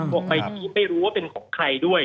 มวกไปที่ไม่รู้ว่าเป็นของใครด้วย